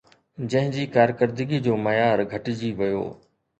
جنهن جي ڪارڪردگيءَ جو معيار گهٽجي ويو